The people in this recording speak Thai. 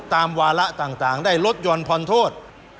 ตามวาระต่างได้ลดยนต์พนโทษ